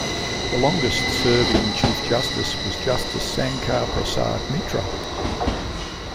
The longest serving Chief Justice was Justice Sankar Prasad Mitra.